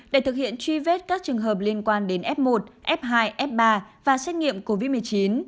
để thực hiện truy vết các trường hợp liên quan đến f một f hai f ba và xét nghiệm covid một mươi chín